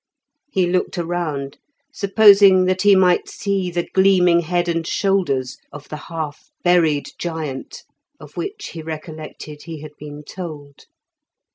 He looked around, supposing that he might see the gleaming head and shoulders of the half buried giant, of which he recollected he had been told.